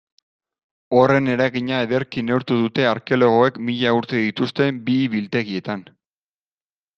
Horren eragina ederki neurtu dute arkeologoek mila urte dituzten bihi-biltegietan.